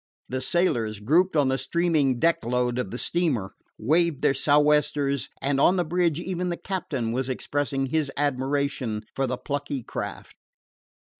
The sailors, grouped on the streaming deck load of the steamer, waved their sou'westers, and, on the bridge, even the captain was expressing his admiration for the plucky craft.